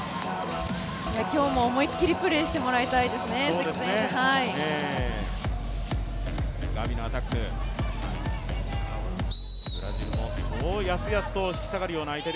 今日も思いっきりプレーしてもらいたいです、関選手。